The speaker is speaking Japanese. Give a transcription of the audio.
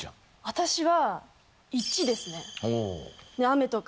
私は１ですね